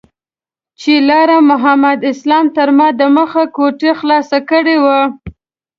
چې لاړم محمد اسلام تر ما دمخه کوټه خلاصه کړې وه.